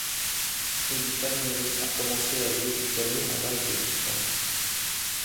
Eddie Palmieri a commencé à jouer du piano à l'âge de huit ans.